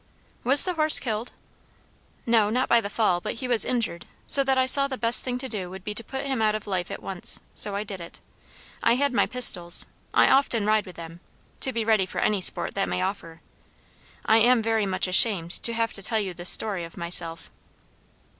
"Was the horse killed?" "No; not by the fall. But he was injured; so that I saw the best thing to do would be to put him out of life at once; so I did it. I had my pistols; I often ride with them, to be ready for any sport that may offer. I am very much ashamed, to have to tell you this story of myself!"